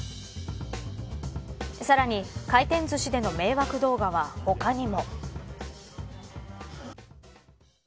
さらに、回転ずしでの迷惑動画は他にも。